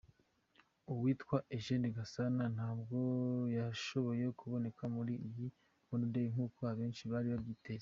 Uwitwa Eugene Gasana ntabwo yashoboye kuboneka muri iyi Rwanda Day nkuko abenshi bari babyiteze.